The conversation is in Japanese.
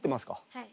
はい。